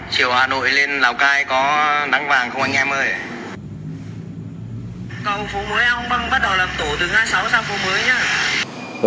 hai trăm ba mươi bảy chiều hà nội lên lào cai có nắng vàng không anh em ơi